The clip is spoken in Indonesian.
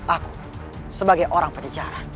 aku sebagai orang pajajara